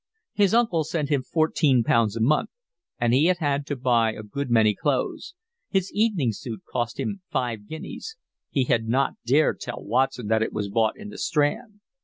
His uncle sent him fourteen pounds a month and he had had to buy a good many clothes. His evening suit cost him five guineas. He had not dared tell Watson that it was bought in the Strand.